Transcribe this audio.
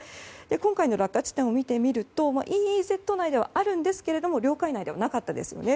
今回の落下地点を見てみるとＥＥＺ内ではあるんですが領海内ではなかったですよね。